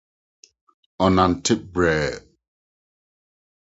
Ɔnantew brɛoo.